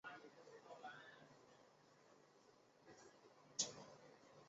他的母亲托莱多的埃利诺拉和兄弟加齐亚在几天后因同样的原因去世。